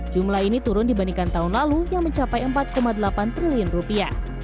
jumlah ini turun dibandingkan tahun lalu yang mencapai empat delapan triliun rupiah